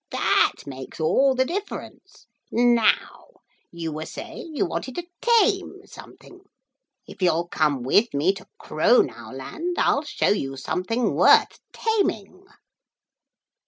'That makes all the difference. Now you were saying you wanted to tame something. If you'll come with me to Crownowland I'll show you something worth taming.'